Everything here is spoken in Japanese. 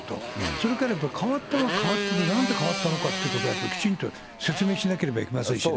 それから変わったは変わったでなんで変わったのかっていうことをやっぱりきちんと説明しなければいけませんしね。